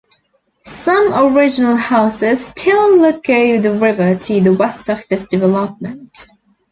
Some original houses still look over the river to the west of this development.